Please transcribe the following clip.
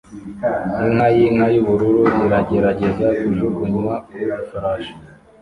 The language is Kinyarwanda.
Inka yinka yubururu iragerageza kujugunywa ku ifarashi